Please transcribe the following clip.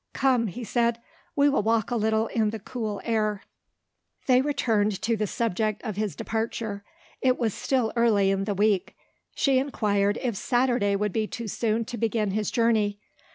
"Come," he said, "we will walk a little in the cool air." They returned to the subject of his departure. It was still early in the week. She inquired if Saturday would be too soon to begin his journey.